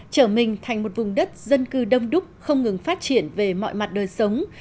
trở mình thành một vùng đất dân cư đông đúc không ngừng phát triển về mọi mặt đời sống